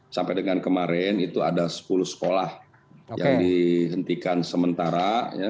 sampai dengan kemarin itu ada sepuluh sekolah yang dihentikan sementara